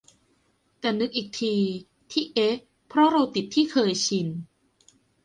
แต่นึกอีกที ที่เอ๊ะเพราะเราติดที่เคยชิน